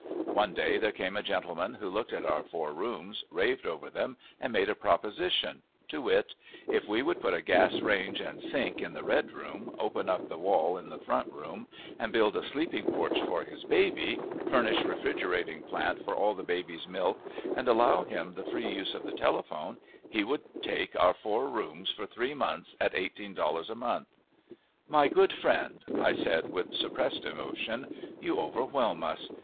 One day there came a gentleman who looked at our four rooms, raved over them and made a proposition, to wit: If we would put a gas range and sink in the red room, open up the wall in the front room and build a sleeping porch for his baby, furnish refrigerating plant for all the baby's milk and allow him the free use of the telephone, he would take our four rooms for three months at $18 a month. "My good friend," I said, with suppressed emotion, "you overwhelm us.